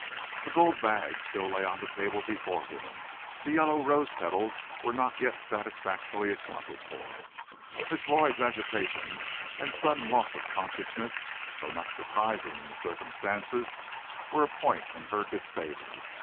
The gold bag still lay on the table before him; the yellow rose petals were not yet satisfactorily accounted for; Miss Lloyd's agitation and sudden loss of consciousness, though not surprising in the circumstances, were a point in her disfavor.